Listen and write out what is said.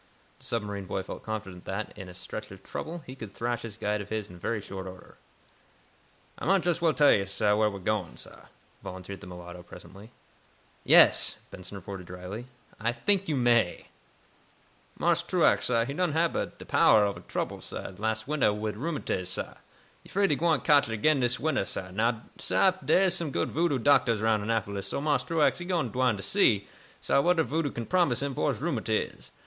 The submarine boy felt confident that, in a stretch of trouble, he could thrash this guide of his in very short order. "Ah might jess well tell yo' wheah we am gwine, sah," volunteered the mulatto, presently. "Yes," Benson retorted, drily. "I think you may." "Marse Truax, sah, he done hab er powah ob trouble, sah, las' wintah, wid rheumatiz, sah. He 'fraid he gwine cotch it again dis wintah, sah. Now, sah, dere am some good voodoo doctahs 'roun' Annapolis, so Marse Truax, he done gwine to see, sah, what er voodoo can promise him fo' his rheumatiz.